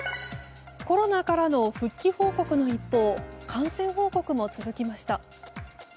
コロナからの復帰報告の一方感染報告も続きました。